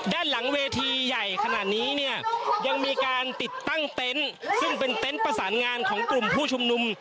ด้านหลังเวทีใหญ่ขนาดนี้เนี่ยยังมีการติดตั้งเต็นต์ซึ่งเป็นเต็นต์ประสานงานของกลุ่มผู้ชุมนุม